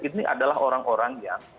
ini adalah orang orang yang